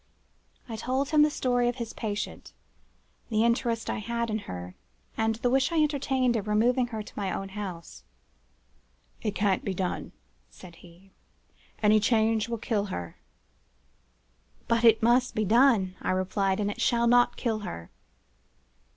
"I told him the story of his patient, the interest I had in her, and the wish I entertained of removing her to my own house. "'It can't be done,' said he. 'Any change will kill her.' "'But it must be done,' I replied. 'And it shall not kill her.